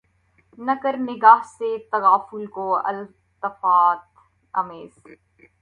نہ کر نگہ سے تغافل کو التفات آمیز